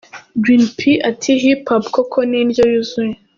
Green P ati " Hip Hop koko ni indyo yuzuye.